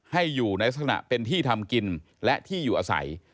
ให้อยู่ในลักษณะเป็นที่ทำกินและที่อยู่อาศัย